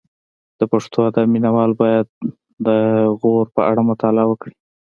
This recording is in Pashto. د پښتو ادب مینه وال باید د غور په اړه مطالعه وکړي